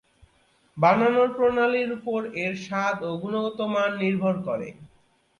বানানোর প্রণালীর উপর এর স্বাদ ও গুণগত মান নির্ভর করে।